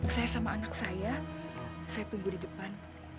saya sama anak saya saya tunggu di depan